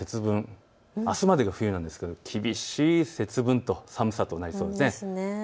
あす節分、あすまでが冬なんですが、厳しい寒さとなりそうです。